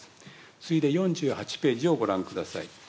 次いで４８ページをご覧ください。